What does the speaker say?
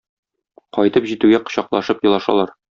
Кайтып җитүгә кочаклашып елашалар.